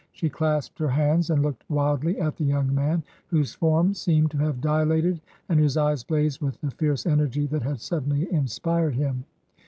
She clasped her hands, and looked wildly at the young man, whose form seemed to have dilated, and whose eyes blazed with the fierce energy that had suddenly inspired him.